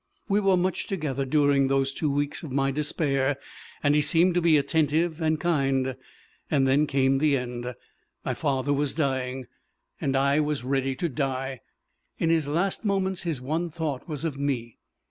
We were much together during those two weeks of my despair, and he seemed to be attentive and kind. Then came the end. My father was dying. And I I was ready to die. In his last moments his one thought was of me.